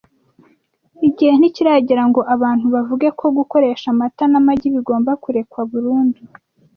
Igihe ntikiragera ngo abantu bavuge ko gukoresha amata n’amagi bigomba kurekwa burundu